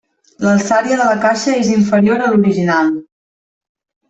L'alçària de la caixa és inferior a l'original.